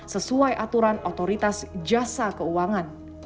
sesuai aturan otoritas jasa keuangan